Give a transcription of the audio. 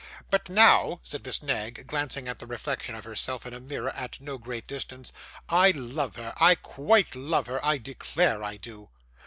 'But now,' said Miss Knag, glancing at the reflection of herself in a mirror at no great distance, 'I love her I quite love her I declare I do!